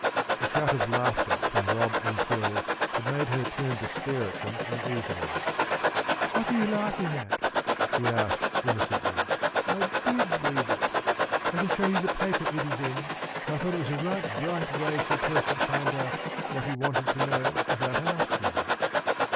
A shout of laughter from Rob and Phil had made her turn to stare at them uneasily. "What are you laughing at?" she asked, innocently. "I did read it. I can show you the paper it is in, and I thought it was a right bright way for a person to find out what he wanted to know without asking."